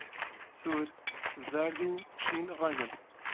سوور، زەرد، و شین ڕەنگن.